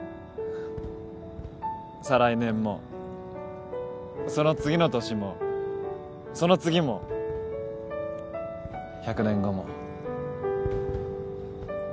再来年もその次の年もその次も１００年後も